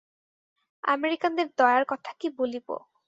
আমেরিকানদের দয়ার কথা কি বলিব।